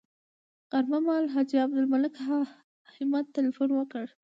غرمه مهال حاجي عبدالمالک همت تیلفون وکړ.